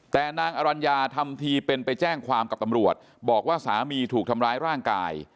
แต่นางอรัญญาทำทีเป็นไปแจ้งความกับตำรวจบอกว่าสามีถูกทำร้ายร่างกาย